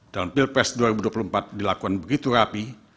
dalam pilpres dua ribu dua puluh empat dilakukan begitu rapi